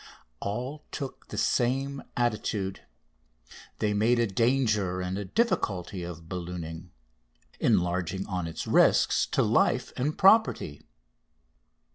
All took the same attitude. They made a danger and a difficulty of ballooning, enlarging on its risks to life and property.